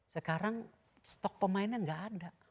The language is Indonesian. sekarang stok pemainnya nggak ada